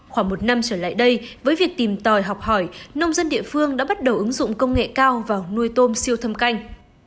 khoảng một năm trở lại đây với việc tìm tòi học hỏi nông dân địa phương đã bắt đầu ứng dụng công nghệ cao vào nuôi tôm siêu thâm canh